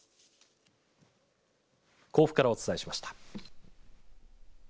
甲府からお伝えしました。